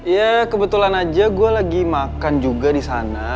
ya kebetulan aja gue lagi makan juga disana